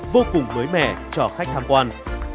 vô cùng mới mẻ cho khách tham quan